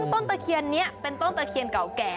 ต้นตะเคียนนี้เป็นต้นตะเคียนเก่าแก่